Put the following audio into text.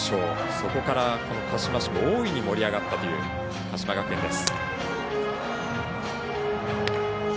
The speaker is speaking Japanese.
そこから、鹿嶋市も大いに盛り上がったという鹿島学園です。